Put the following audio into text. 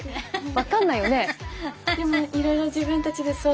分かんないよね。